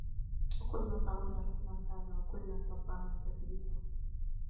وَكُلًّا ضَرَبْنَا لَهُ الْأَمْثَالَ وَكُلًّا تَبَّرْنَا تَتْبِيرًا